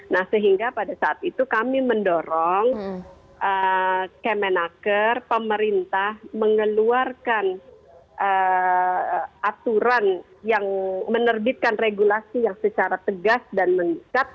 nah sehingga pada saat itu kami mendorong kemenaker pemerintah mengeluarkan aturan yang menerbitkan regulasi yang secara tegas dan mengikat